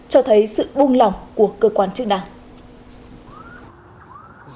cho thấy sự buông lỏng của cơ quan chức năng